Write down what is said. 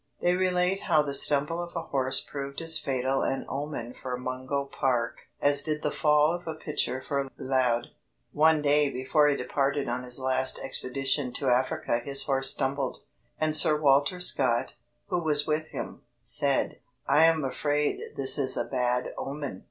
They relate how the stumble of a horse proved as fatal an omen for Mungo Park as did the fall of a picture for Laud. One day before he departed on his last expedition to Africa his horse stumbled, and Sir Walter Scott, who was with him, said: "I am afraid this is a bad omen."